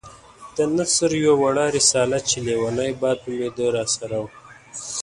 د نثر يوه وړه رساله چې ليونی باد نومېده راسره وه.